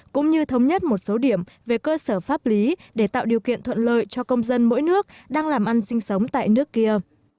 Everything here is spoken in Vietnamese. cũng như thống nhất một số điểm về cơ sở pháp lý để tạo điều kiện thuận lợi cho công dân mỗi nước đang làm ăn sinh sống tại nước kia